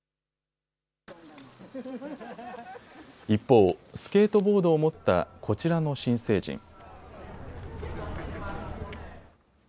一方、スケートボードを持ったこちらの新成人。